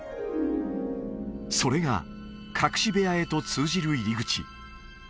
それが隠し部屋へと通じる入り口